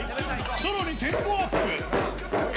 さらにテンポアップ。